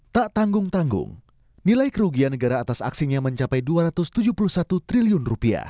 tak tanggung tanggung nilai kerugian negara atas aksinya mencapai rp dua ratus tujuh puluh satu triliun